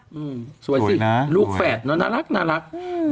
สวยสิลูกแฝดนะน่ารัก